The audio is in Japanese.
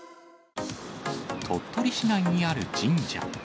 鳥取市内にある神社。